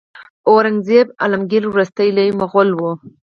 اورنګزیب عالمګیر وروستی لوی مغول و.